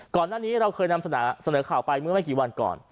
ก่อนหน้านี้เราเคยนำเสนอข่าวไปเมื่อไม่กี่วันก่อน